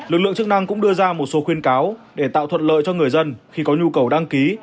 lực lượng chức năng cũng đưa ra một số khuyên cáo để tạo thuận lợi cho người dân khi có nhu cầu đăng ký